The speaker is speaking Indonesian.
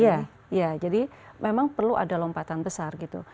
ya ya jadi memang perlu ada lompatan besar gitu